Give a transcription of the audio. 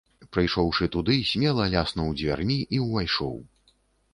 Прыйшоўшы туды, смела ляснуў дзвярмі і ўвайшоў.